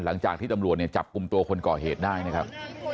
หลังจากที่ตำรวจเนี่ยจับกลุ่มตัวคนก่อเหตุได้นะครับ